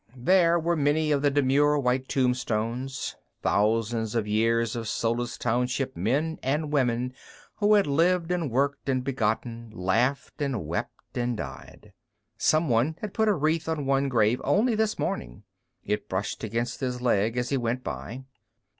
There were many of the demure white tombstones thousands of years of Solis Township men and women who had lived and worked and begotten, laughed and wept and died. Someone had put a wreath on one grave only this morning; it brushed against his leg as he went by.